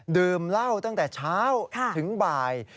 ดื่มเหล้าตั้งแต่เช้าถึงบ่าย